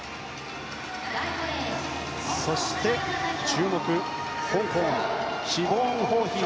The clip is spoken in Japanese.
そして注目、香港シボーン・ホーヒー。